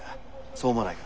そう思わないか？